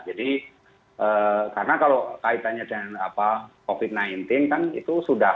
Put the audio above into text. jadi karena kalau kaitannya dengan covid sembilan belas kan itu sudah